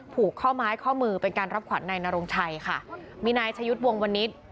ผูกข้อไม้ข้อมือเป็นการรับขวัญนายนรงชัยค่ะมีนายชะยุทธ์วงวณิษฐ์